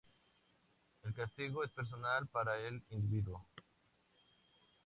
El castigo es personal para el individuo.